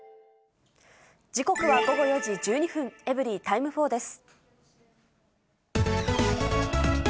時刻は午後４時１２分、エブリィタイム４です。